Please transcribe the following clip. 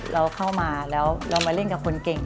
เราเข้ามาแล้วเรามาเล่นกับคนเก่ง